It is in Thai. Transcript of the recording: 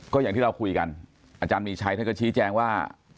ก็อย่างที่เราคุยกันอาจารย์มีชัยท่านก็ชี้แจงว่า